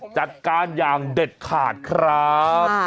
จัดการอย่างเด็ดขาดครับ